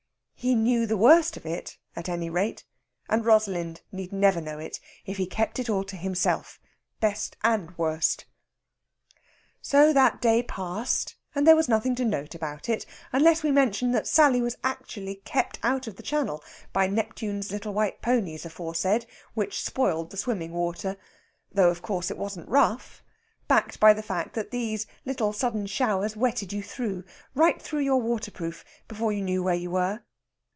He knew the worst of it, at any rate, and Rosalind need never know it if he kept it all to himself, best and worst. So that day passed, and there was nothing to note about it, unless we mention that Sally was actually kept out of the Channel by Neptune's little white ponies aforesaid, which spoiled the swimming water though, of course, it wasn't rough backed by the fact that these little sudden showers wetted you through, right through your waterproof, before you knew where you were.